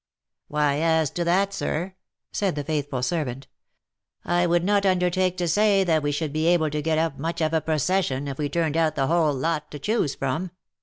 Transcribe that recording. " Why, as to that, sir," said the faithful servant, " I would not un dertake to say that we should be able to get up much of a procession if we turned out the whole lot to choose from.